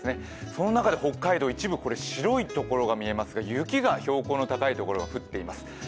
その中で北海道、一部白いところが見えますが雪が標高の高いところは降っています。